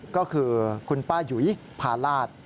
ก็คือคุณป้ายุยพาราช